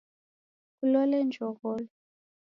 Kulole njogholo.